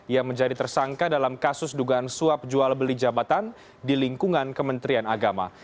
ia menjadi tersangka dalam kasus dugaan suap jual beli jabatan di lingkungan kementerian agama